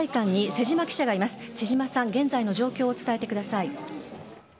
瀬島さん、現在の状況を伝えてください。